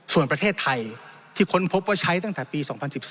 ส่วนประเทศไทยที่ค้นพบว่าใช้ตั้งแต่ปี๒๐๑๔